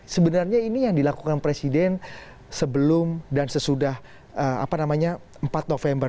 sebenarnya ini yang dilakukan presiden sebelum dan sesudah empat november